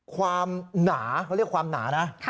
ความหนาความหนานะ